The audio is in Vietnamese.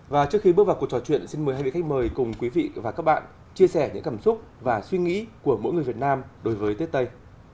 và trước khi bước vào cuộc trò chuyện xin mời hai vị khách mời cùng quý vị và các bạn chia sẻ những cảm xúc và suy nghĩ của mỗi người việt nam đối với tiết tây